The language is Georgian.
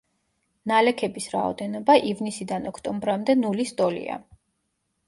ნალექების რაოდენობა ივნისიდან ოქტომბრამდე ნულის ტოლია.